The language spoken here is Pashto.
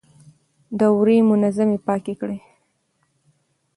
دوړې منظم پاکې کړئ.